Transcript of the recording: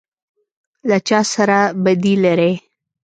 _ له چا سره بدي لری؟